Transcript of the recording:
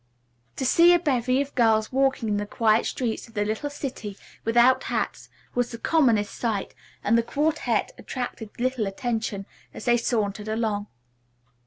To see a bevy of girls walking in the quiet streets of the little city without hats was the commonest sight, and the quartette attracted little attention as they sauntered along.